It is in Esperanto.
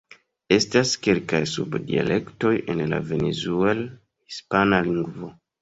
Estas kelkaj sub-dialektoj en la Venezuel-hispana lingvo.